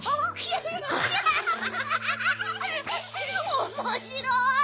おもしろい！